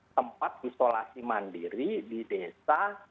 tempat isolasi mandiri di desa